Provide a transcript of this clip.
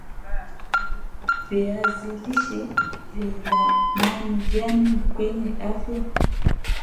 viazi lishe vinathamani gani kwenye afya